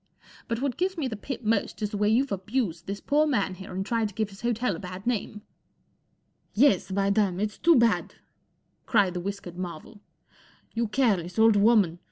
But what gives me the pip most is the way you've abused this poor man here and tried to give his hotel a bar! name ,J " Yes, by dam J ! It's too bad I " cried the whiskered marvel. " You careless old woman